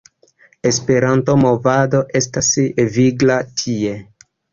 Esperanto-movado estas vigla tie.